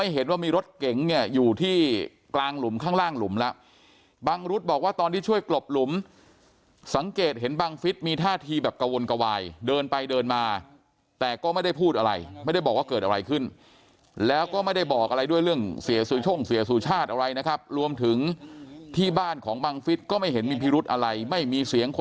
เห็นว่ามีรถเก๋งเนี่ยอยู่ที่กลางหลุมข้างล่างหลุมแล้วบังรุษบอกว่าตอนที่ช่วยกลบหลุมสังเกตเห็นบังฟิศมีท่าทีแบบกระวนกระวายเดินไปเดินมาแต่ก็ไม่ได้พูดอะไรไม่ได้บอกว่าเกิดอะไรขึ้นแล้วก็ไม่ได้บอกอะไรด้วยเรื่องเสียสุช่งเสียสุชาติอะไรนะครับรวมถึงที่บ้านของบังฟิศก็ไม่เห็นมีพิรุธอะไรไม่มีเสียงค